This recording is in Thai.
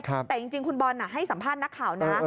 แต่จริงคุณบอลให้สัมภาษณ์นักข่าวนะ